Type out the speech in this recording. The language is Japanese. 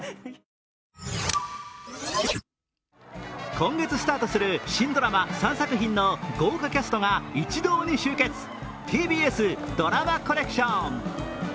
今月スタートする新ドラマ３作品の豪華出演者が一同に集結、ＴＢＳドラマコレクション。